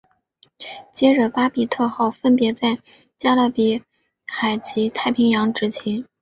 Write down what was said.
接着巴比特号分别在加勒比海及太平洋执勤。